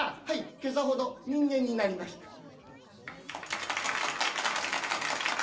「はい今朝ほど人間になりました」。